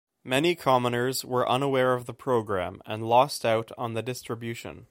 Many commoners were unaware of the program and lost out on the distribution.